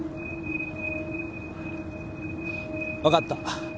わかった。